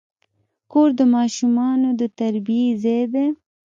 کور د ماشومانو د تربیې ځای دی.